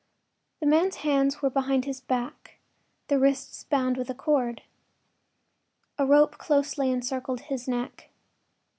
The man’s hands were behind his back, the wrists bound with a cord. A rope closely encircled his neck.